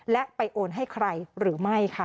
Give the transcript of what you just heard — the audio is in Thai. และไปโอนให้ใครหรือไม่ค่ะ